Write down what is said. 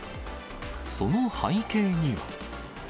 その背景には。